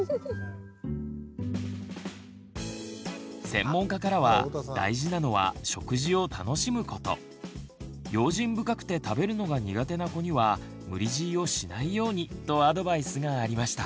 専門家からは大事なのは食事を楽しむこと用心深くて食べるのが苦手な子には無理強いをしないようにとアドバイスがありました。